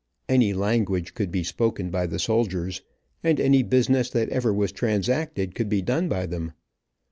Any language could be spoken by the soldiers, and any business that ever was transacted could be done by them.